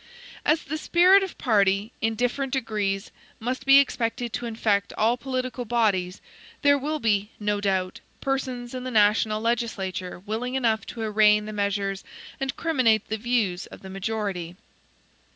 As the spirit of party, in different degrees, must be expected to infect all political bodies, there will be, no doubt, persons in the national legislature willing enough to arraign the measures and criminate the views of the majority.